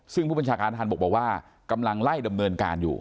ซึ่งผู้บัญชาการทหารบกบอกว่ากำลังไล่ดำเนินการอยู่